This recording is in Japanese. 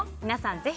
皆さん